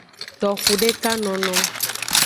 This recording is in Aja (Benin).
Toxudekanono.